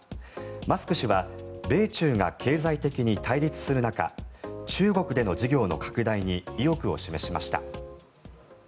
マスク氏は米中が経済的に対立する中中国での事業の拡大に意欲を示しました。